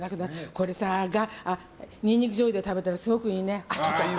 これさ、ニンニクじょうゆで食べたらいいね。